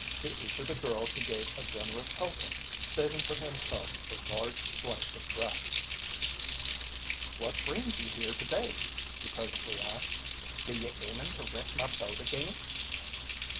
To each of the girls he gave a generous helping, saving for himself a large slice of breast. "What brings ye here today?" he presently asked. "Be ye aimin' to rent my boat again?"